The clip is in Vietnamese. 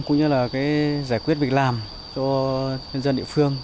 cũng như là giải quyết việc làm cho dân dân địa phương